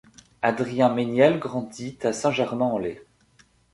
Adrien Ménielle grandit à Saint-Germain-en-Laye.